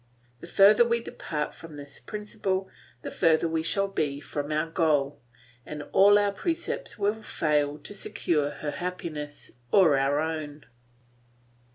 The further we depart from this principle, the further we shall be from our goal, and all our precepts will fail to secure her happiness or our own.